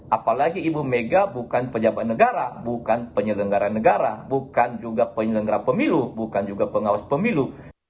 apalagi ibu megawati bukan penyelenggara negara bukan penyelenggara pemilu bukan juga pengawas pemilu